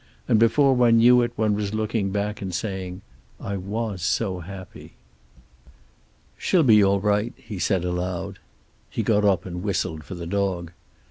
And before one knew it one was looking back and saying: "I was so happy." "She'll be all right," he said aloud. He got up and whistled for the dog.